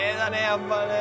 やっぱね